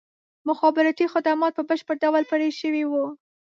مخابراتي خدمات په بشپړ ډول پرې شوي وو.